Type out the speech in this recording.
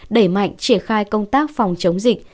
đẩy mạnh triển khai công tác phòng chống dịch